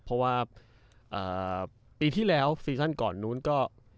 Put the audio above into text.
เพราะว่าปีที่แล้วซีซั่นก่อนนู้นก็